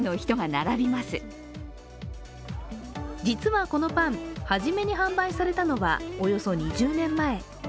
実はこのパン、初めに販売されたのはおよそ２０年前。